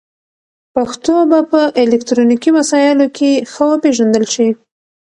پښتو به په الکترونیکي وسایلو کې ښه وپېژندل شي.